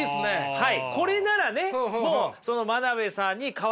はい。